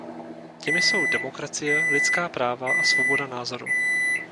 Těmi jsou demokracie, lidská práva a svoboda názoru.